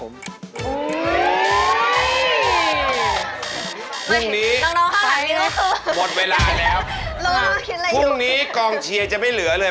พรุ่งนี้ต้องร้องไห้หมดเวลาแล้วพรุ่งนี้กองเชียร์จะไม่เหลือเลย